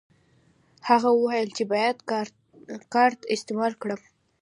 هغه وویل چې باید کارت استعمال کړم.